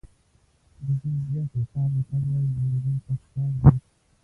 د جنوبي افریقا متل وایي جوړېدل سخت کار دی.